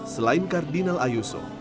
selain kardinal ayuso